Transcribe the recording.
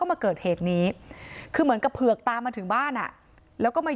มาเกิดเหตุนี้คือเหมือนกับเผือกตามมาถึงบ้านอ่ะแล้วก็มา